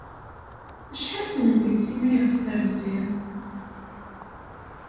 Acḥal n tnedlisin ayɣef terziḍ?